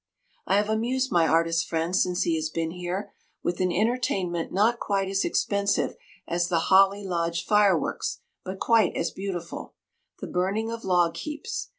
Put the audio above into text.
"I have amused my artist friend since he has been here, with an entertainment not quite as expensive as the Holly Lodge fireworks, but quite as beautiful—the burning of log heaps.